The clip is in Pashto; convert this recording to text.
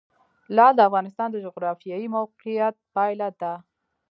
لعل د افغانستان د جغرافیایي موقیعت پایله ده.